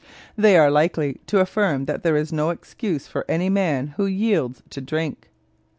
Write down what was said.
They are likely to affirm that there is no excuse for any man who yields to drink.